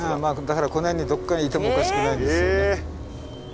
だからこの辺にどっかにいてもおかしくないですよね。